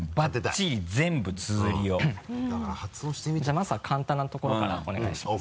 まずは簡単なところからお願いします。